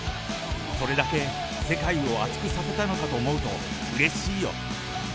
それだけ世界を熱くさせたのかと思うとうれしいよ。